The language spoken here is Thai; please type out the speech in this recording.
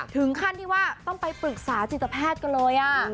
ถึงขั้นที่ว่าต้องไปปรึกษาจิตแพทย์กันเลย